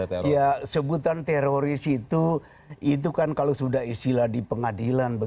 bahwa seorang tertuduh itu dalam kuhab